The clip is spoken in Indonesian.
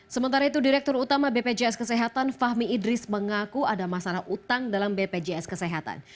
sementara itu direktur utama bpjs kesehatan fahmi idris mengaku ada masalah utang dalam bpjs kesehatan